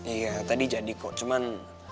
iya tadi jadi kok cuman